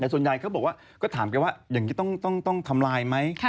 แต่ส่วนใหญ่เขาบอกว่าก็ถามกันว่าอย่างนี้ต้องทำลายไหม